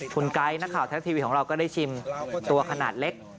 คุณไก๊นักข่าวแท็กทีวีของเราก็ได้ชิมตัวขนาดเล็ก